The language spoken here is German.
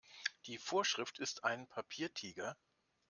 Die Vorschrift ist ein Papiertiger.